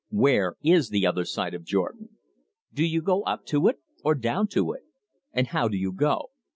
Where is the other side of Jordan? Do you go up to it, or down to it? And how do you go?